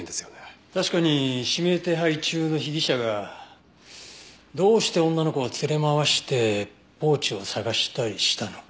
確かに指名手配中の被疑者がどうして女の子を連れ回してポーチを捜したりしたのか。